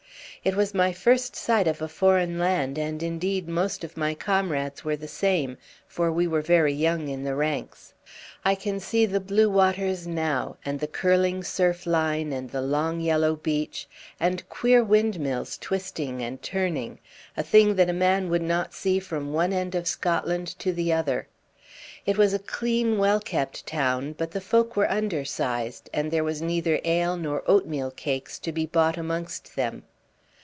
It was my first sight of a foreign land, and indeed most of my comrades were the same, for we were very young in the ranks. I can see the blue waters now, and the curling surf line, and the long yellow beach, and queer windmills twisting and turning a thing that a man would not see from one end of Scotland to the other. It was a clean, well kept town, but the folk were undersized, and there was neither ale nor oatmeal cakes to be bought amongst them.